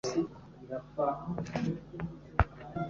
N'ubwanwa bwawe bwiza rwose